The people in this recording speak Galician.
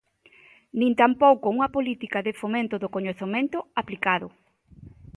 Nin tampouco unha política de fomento do coñecemento aplicado.